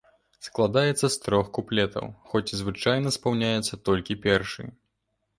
Складаецца з трох куплетаў, хоць звычайна спаўняецца толькі першы.